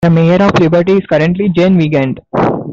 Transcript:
The mayor of Liberty is currently Jane Weigand.